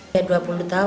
saya dua puluh tahun lah